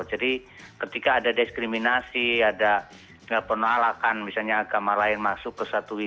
jadi ketika ada diskriminasi ada penolakan misalnya agama lain masuk